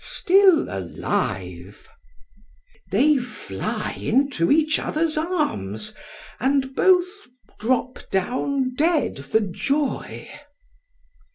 Is my Amanda they fly into each other's arms, and both drop down dead for joy.